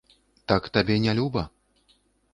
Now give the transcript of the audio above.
Так табе не люба?